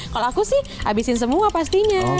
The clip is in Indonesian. kalau aku sih habisin semua pastinya